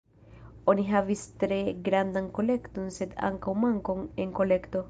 Oni havis tre grandan kolekton sed ankaŭ mankon en kolekto.